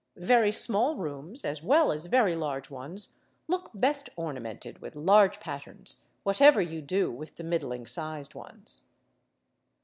Very small rooms, as well as very large ones, look best ornamented with large patterns, whatever you do with the middling sized ones.